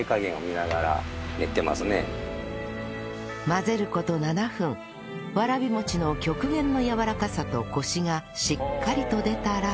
混ぜる事７分わらびもちの極限のやわらかさとコシがしっかりと出たら